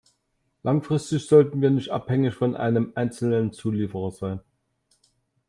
Langfristig sollten wir nicht abhängig von einem einzelnen Zulieferer sein.